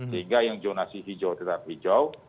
sehingga yang jonasi hijau tetap hijau